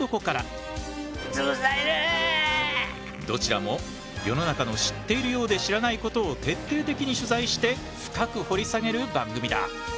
どちらも世の中の知っているようで知らないことを徹底的に取材して深く掘り下げる番組だ。